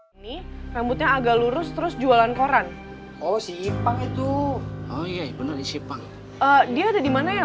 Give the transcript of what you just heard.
ini rambutnya agak lurus terus jualan koran oh si itu oh iya bener di sipang dia ada di mana ya